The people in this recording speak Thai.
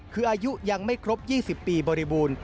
คืออายุยังไม่ครบ๒๐ปีบริบูรณ์